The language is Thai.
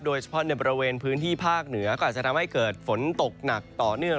โดยเฉพาะในบริเวณพื้นที่ภาคเหนือก็อาจจะทำให้เกิดฝนตกหนักต่อเนื่อง